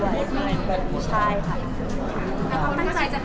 แล้วเขาตั้งใจจะทำอะไรไหมคะในวันครบรอบ